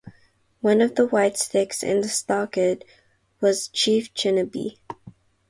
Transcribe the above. One of the White Sticks in the stockade was Chief Chinnabee.